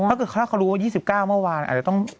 ถ้าเขารู้ว่า๒๙เมื่อวานอาจจะต้อง